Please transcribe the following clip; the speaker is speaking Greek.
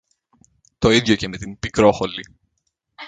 Το ίδιο και με την Πικρόχολη.